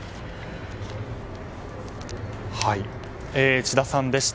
千田さんでした。